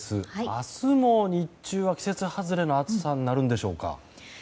明日も日中は季節外れの暑さになるんでしょうか。